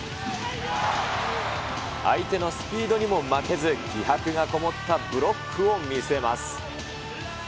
相手のスピードにも負けず、気迫が込もったブロックを見せます。